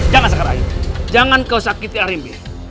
jangan sekar ayu jangan kau sakiti arim